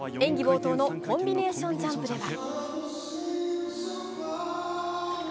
冒頭のコンビネーションジャンプでは。